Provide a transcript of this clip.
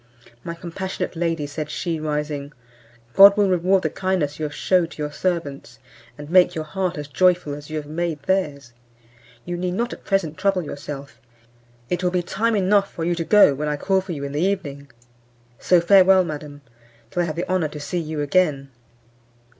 "My compassionate lady," said she, rising, "God will reward the kindness you have shewed to your servants, and make your heart as joyful as you have made theirs. You need not at present trouble yourself; it will be time enough for you to go when I call for you in the evening. So farewell, madam, till I have the honour to see you again."